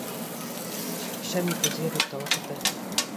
چې ښه مې په ځير ورته وکتل.